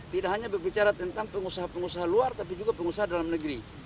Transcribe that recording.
tidak hanya berbicara tentang pengusaha pengusaha luar tapi juga pengusaha dalam negeri